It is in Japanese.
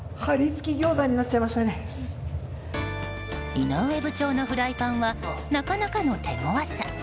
井上部長のフライパンはなかなかの手強さ。